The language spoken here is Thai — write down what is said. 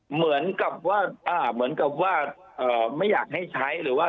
เหมือนกับว่าไม่อยากให้ใช้หรือว่า